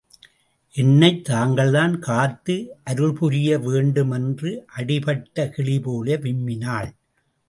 என்னைத் தாங்கள்தான் காத்து, அருள் புரிய வேண்டும் என்று அடிபட்ட கிளிபோல விம்மினாள்.